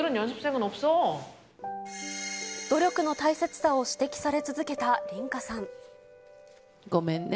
努力の大切さを指摘され続けごめんね。